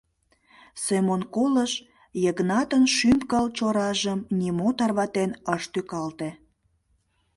Семон колыш — Йыгнатын шӱм-кыл чоражым нимо тарватен ыш тӱкалте.